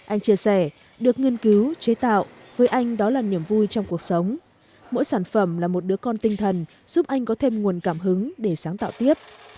anh chia sẻ được nghiên cứu chế tạo với anh đó là niềm vui trong cuộc sống mỗi sản phẩm là một đứa con tinh thần giúp anh có thêm nguồn cảm hứng để sáng tạo tiếp